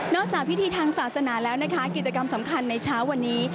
จากพิธีทางศาสนาแล้วนะคะกิจกรรมสำคัญในเช้าวันนี้